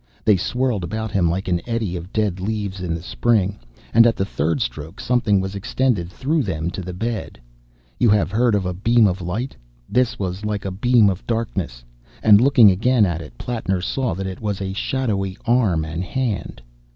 They swirled about him like an eddy of dead leaves in the spring, and at the third stroke something was extended through them to the bed. You have heard of a beam of light. This was like a beam of darkness, and looking again at it, Plattner saw that it was a shadowy arm and hand.